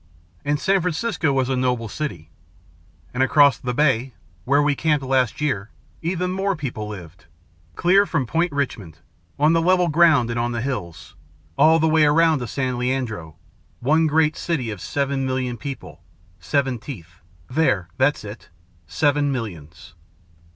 And San Francisco was a noble city. And across the bay where we camped last year, even more people lived, clear from Point Richmond, on the level ground and on the hills, all the way around to San Leandro one great city of seven million people. Seven teeth... there, that's it, seven millions."